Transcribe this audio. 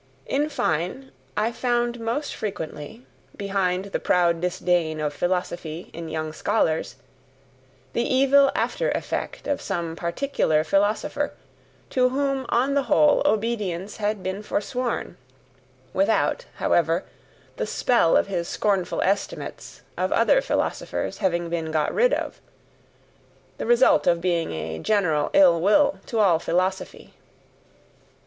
In fine, I found most frequently, behind the proud disdain of philosophy in young scholars, the evil after effect of some particular philosopher, to whom on the whole obedience had been foresworn, without, however, the spell of his scornful estimates of other philosophers having been got rid of the result being a general ill will to all philosophy.